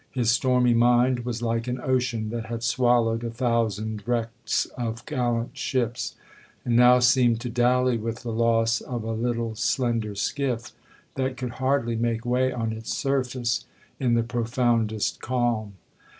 His stormy mind was like an ocean that had swallowed a thousand wrecks of gallant ships, and now seemed to dally with the loss of a little slender skiff, that could hardly make way on its surface in the profoundest calm.